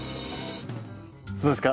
どうですか？